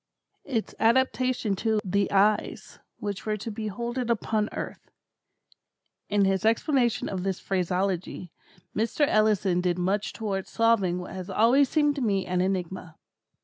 "Its adaptation to the eyes which were to behold it upon earth." In his explanation of this phraseology, Mr. Ellison did much towards solving what has always seemed to me an enigma.